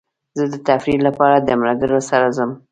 زه د تفریح لپاره د ملګرو سره ځم.